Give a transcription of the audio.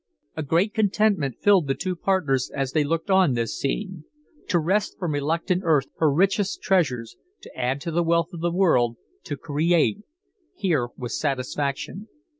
A great contentment filled the two partners as they looked on this scene. To wrest from reluctant earth her richest treasures, to add to the wealth of the world, to create here was satisfaction.